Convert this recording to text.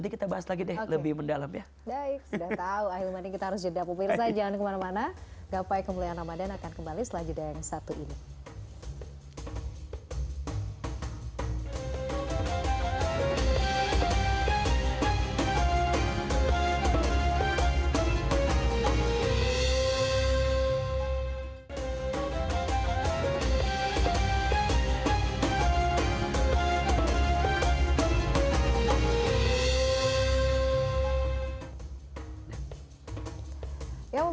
diajarkan untuk lebih banyak menunggukan pandangan